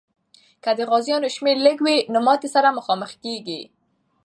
که د غازیانو شمېر لږ وي، نو ماتي سره مخامخ کېږي.